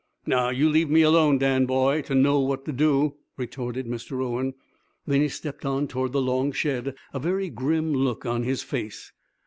"Now, you leave me alone, Dan, boy, to know what to do," retorted Mr. Owen. Then he stepped on toward the long shed, a very grim look on his face.